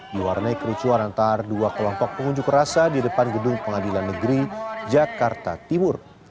diwarnai kericuan antara dua kelompok pengunjuk rasa di depan gedung pengadilan negeri jakarta timur